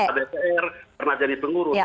pada pr pernah jadi pengurus